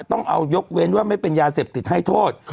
ต้องเอายกเว้นว่าไม่เป็นยาเสพติดให้โทษ